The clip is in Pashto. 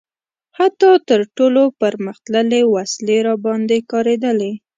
حتی تر ټولو پرمختللې وسلې راباندې کارېدلي.